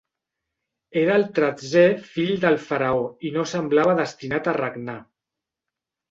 Era el tretzè fill del faraó i no semblava destinat a regnar.